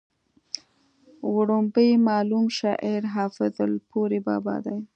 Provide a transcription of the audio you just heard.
وړومبی معلوم شاعر حافظ الپورۍ بابا دی